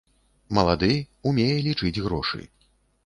Малады, умее лічыць грошы.